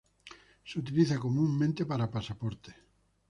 Se utiliza comúnmente para pasaportes.